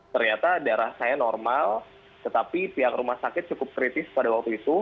ternyata darah saya normal tetapi pihak rumah sakit cukup kritis pada waktu itu